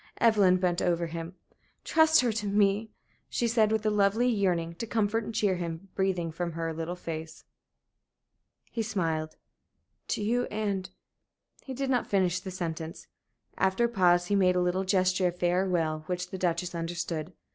Evelyn bent over him. "Trust her to me," she said, with a lovely yearning to comfort and cheer him breathing from her little face. He smiled. "To you and " He did not finish the sentence. After a pause he made a little gesture of farewell which the Duchess understood.